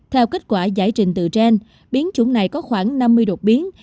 theo kết quả giải trình từ trên biến chủng này có khoảng năm mươi đột biến